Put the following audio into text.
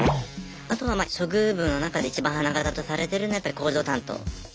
あとは処遇部の中で一番花形とされてるのはやっぱり工場担当。